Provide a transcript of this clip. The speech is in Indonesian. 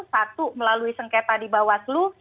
satu melalui sengketa di bawah slu